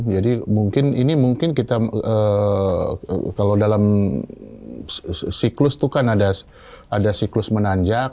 jadi mungkin ini mungkin kita kalau dalam siklus tuh kan ada siklus menanjak